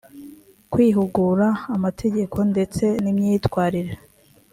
kwihugura amategeko ndetse n imyitwarire